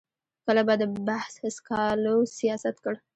کله به د بحث سکالو سیاست کړ.